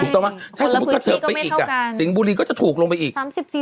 ถูกต้องไหมคนละพื้นที่ก็ไม่เข้ากันใช่สิงห์บุรีก็จะถูกลงไปอีก๓๐๔๐